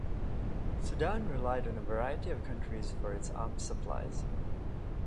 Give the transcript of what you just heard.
Sudan relied on a variety of countries for its arms supplies.